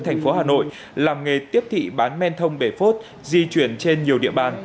thành phố hà nội làm nghề tiếp thị bán men thông bề phốt di chuyển trên nhiều địa bàn